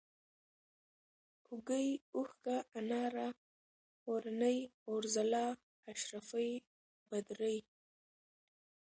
اوږۍ ، اوښکه ، اناره ، اورنۍ ، اورځلا ، اشرفۍ ، بدرۍ